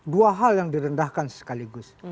dua hal yang direndahkan sekaligus